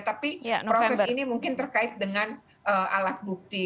tapi proses ini mungkin terkait dengan alat bukti